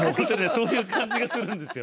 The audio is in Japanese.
そういう感じがするんですよ。